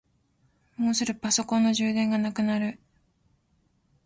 もうすぐパソコンの充電がなくなる。